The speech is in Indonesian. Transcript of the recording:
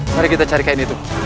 mari kita cari kain itu